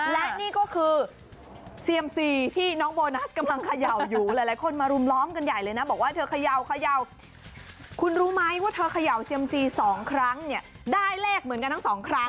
และนี่ก็คือเซียมซีที่น้องโบนัสกำลังเขย่าอยู่หลายคนมารุมล้อมกันใหญ่เลยนะบอกว่าเธอเขย่าคุณรู้ไหมว่าเธอเขย่าเซียมซีสองครั้งเนี่ยได้เลขเหมือนกันทั้งสองครั้ง